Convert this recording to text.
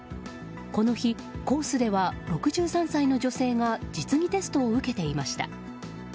この日、コースでは６３歳の女性が実技テストを受けていました。